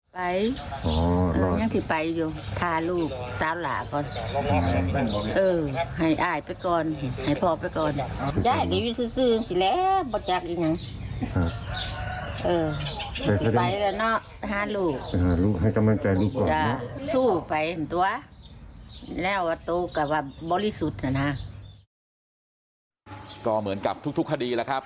ไปอย่างที่ไปอยู่พาลูกสาวหลาก่อน